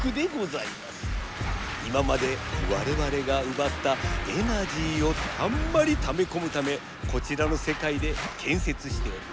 今までわれわれがうばったエナジーをたんまりためこむためこちらのせかいでけんせつしております。